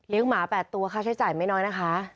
หมา๘ตัวค่าใช้จ่ายไม่น้อยนะคะ